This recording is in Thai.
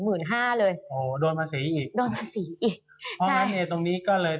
มองตราสารไปทั่วโลกเลย